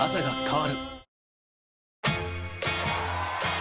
わ！